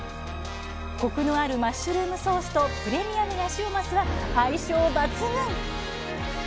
コクのあるマッシュルームソースとプレミアムヤシオマスは相性抜群！